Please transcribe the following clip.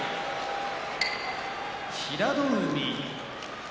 平戸海